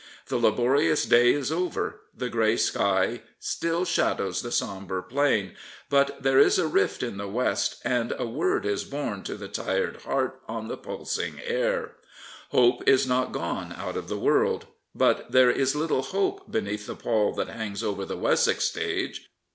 The laborious day is over, the grey sky still shadows the sombre plain; but there is a rift in the west, and a word is borne to the tired heart on the pulsing air. Hope is not gone out of the world. But there is little hope beneath the pall that hangs over the Wessex stage.